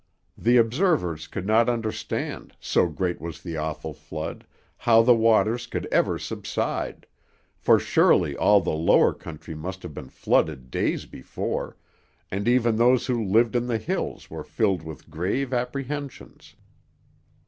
The observers could not understand, so great was the awful flood, how the waters could ever subside, for surely all the lower country must have been flooded days before, and even those who lived in the hills were filled with grave apprehensions.